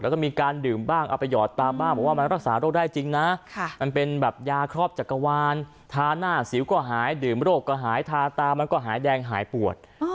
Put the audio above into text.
แล้วก็มีกลุ่มบางกลุ่มที่เขาเอาน้ำปัสสาวะใส่ขวดแล้วก็มีการดื่มบ้างเอาไปหยอดตาบ้างว่ามันรักษารโรคร้ายจริงนะ